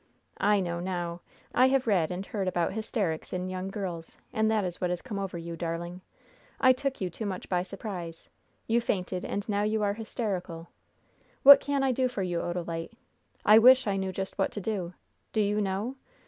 I know now! I have read and heard about hysterics in young girls, and that is what has come over you, darling! I took you too much by surprise! You fainted, and now you are hysterical! What can I do for you, Odalite? I wish I knew just what to do! Do you know?